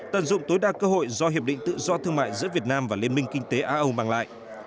tận dụng tối đa cơ hội do hiệp định tự do thương mại giữa việt nam và liên minh kinh tế a âu mang lại